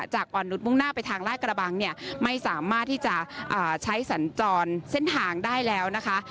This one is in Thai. อ่อนนุษยมุ่งหน้าไปทางลาดกระบังเนี่ยไม่สามารถที่จะใช้สัญจรเส้นทางได้แล้วนะคะ